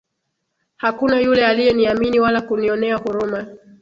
Hakuna yule aliyeniamini wala kunionea huruma.